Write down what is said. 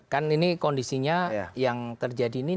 kan ini kondisinya yang terjadi ini